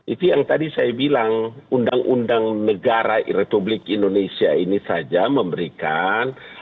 itu yang tadi saya bilang undang undang negara republik indonesia ini saja memberikan